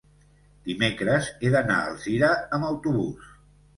Dimecres he d'anar a Alzira amb autobús.